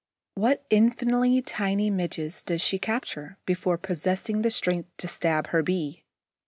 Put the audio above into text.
What infinitely tiny Midges does she capture before possessing the strength to stab her Bee?